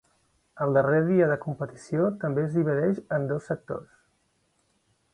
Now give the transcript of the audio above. El darrer dia de competició també es divideix en dos sectors.